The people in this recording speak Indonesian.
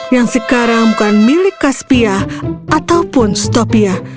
yang sekarang bukan milik kaspiah ataupun stopia